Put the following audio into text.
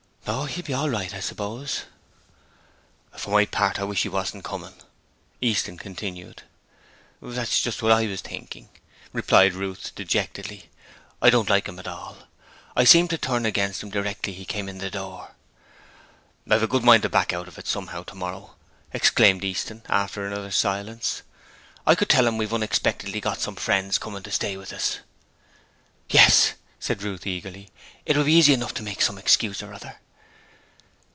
'Oh, he'll be all right, I suppose.' 'For my part, I wish he wasn't coming,' Easton continued. 'That's just what I was thinking,' replied Ruth dejectedly. 'I don't like him at all. I seemed to turn against him directly he came in the door.' 'I've a good mind to back out of it, somehow, tomorrow,' exclaimed Easton after another silence. 'I could tell him we've unexpectedly got some friends coming to stay with us.' 'Yes,' said Ruth eagerly. 'It would be easy enough to make some excuse or other.'